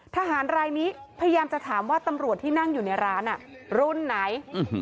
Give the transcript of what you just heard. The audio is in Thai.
ทหารรายนี้พยายามจะถามว่าตำรวจที่นั่งอยู่ในร้านรุ่นไหน